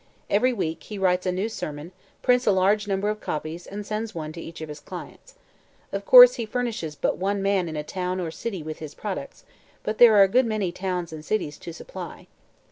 Every week he writes a new sermon, prints a large number of copies and sends one to each of his clients. Of course he furnishes but one man in a town or city with his products, but there are a good many towns and cities to supply."